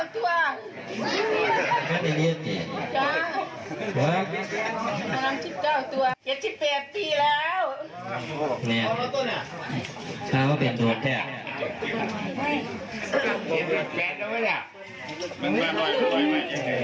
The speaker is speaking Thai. ท่านจากบ้านก็แก่บผู้หญิงคนนี้นะครับ